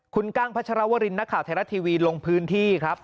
คุณกั้งพัชรวรินนักข่าวไทยรัฐทีวีลงพื้นที่ครับ